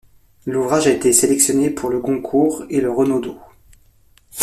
L'ouvrage a été sélectionné pour le Goncourt et le Renaudot.